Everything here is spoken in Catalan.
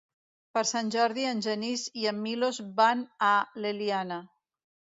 Per Sant Jordi en Genís i en Milos van a l'Eliana.